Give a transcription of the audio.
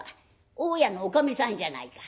大家のおかみさんじゃないか。